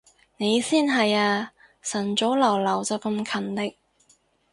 你先係啊，晨早流流就咁勤力